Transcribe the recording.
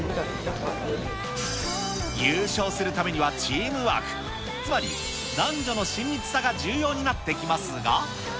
優勝するためにはチームワーク、つまり、男女の親密さが重要になってきますが。